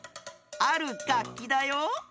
あるがっきだよ。